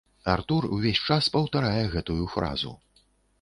Артур увесь час паўтарае гэтую фразу.